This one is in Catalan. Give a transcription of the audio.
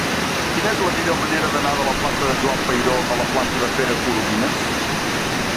Quina és la millor manera d'anar de la plaça de Joan Peiró a la plaça de Pere Coromines?